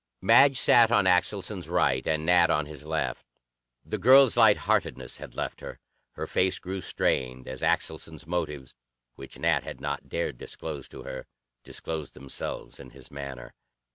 Madge sat on Axelson's right, and Nat on his left. The girl's lightheartedness had left her; her face grew strained as Axelson's motives which Nat had not dared disclose to her disclosed themselves in his manner.